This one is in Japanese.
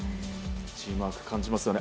チームワークを感じますよね。